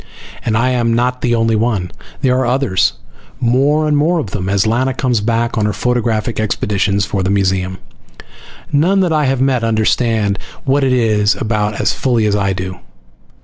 And I am not the only one! There are others. More and more of them, as Lana comes back on her photographic expeditions for the museum. None that I have met understand what it is about as fully as I do.